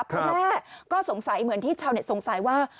คุณแม่ก็สงสัยเหมือนที่ชาวเน็ตสงสัยว่า